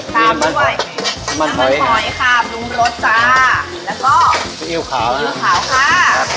น้ำมันหมอยน้ำมันหมอยค่ะปรุงรสจ้าแล้วก็อิ้วขาวอิ้วขาวค่ะ